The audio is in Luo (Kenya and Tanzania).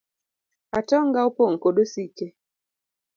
Atong'a opong kod osike .